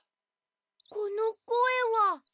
このこえは？